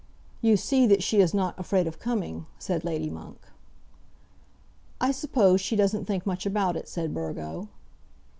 "You see that she is not afraid of coming," said Lady Monk. "I suppose she doesn't think much about it," said Burgo.